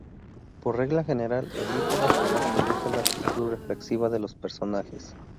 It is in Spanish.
Por regla general, el hilo racional conduce la actitud reflexiva de los personajes.